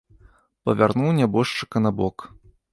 Павярнуў нябожчыка на бок.